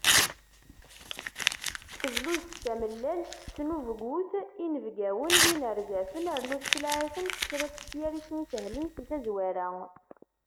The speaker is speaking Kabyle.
S tebluzt d tamellalt, tesnubgut inebgawen d yinerzafen, rnu tettlaεi-ten s kra n tefyar i as-sihlen si tazwara.